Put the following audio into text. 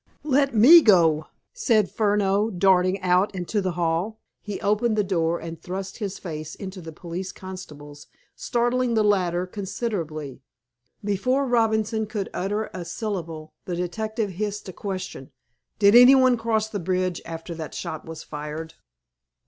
"Let me go!" said Furneaux, darting out into the hall. He opened the door, and thrust his face into the police constable's, startling the latter considerably. Before Robinson could utter a syllable, the detective hissed a question. "Did anyone cross the bridge after that shot was fired?"